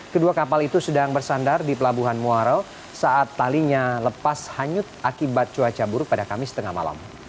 kedua kapal itu sedang bersandar di pelabuhan muarau saat talinya lepas hanyut akibat cuaca buruk pada kamis tengah malam